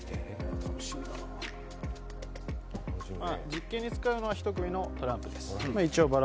実験に使うのは１組のトランプです